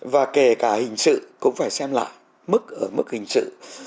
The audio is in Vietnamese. và kể cả hình sự cũng phải xem lại mức ở mức hình sự